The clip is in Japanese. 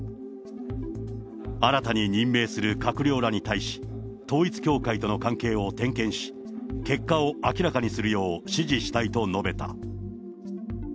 新たに任命する閣僚らに対し、統一教会との関係を点検し、結果を明らかにするよう指示したいと述べた。